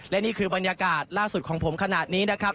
และนี่คือบรรยากาศล่าสุดของผมขนาดนี้นะครับ